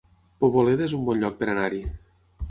Poboleda es un bon lloc per anar-hi